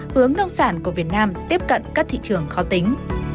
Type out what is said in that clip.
hướng nông sản của việt nam tiếp cận các thị trường khó tính